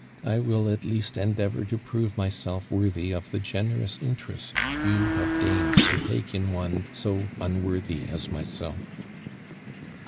I will at least endeavor to prove myself worthy of the generous interest you have deigned to take in one so unworthy as myself.'"